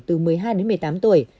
từ một mươi hai đến một mươi tám tuổi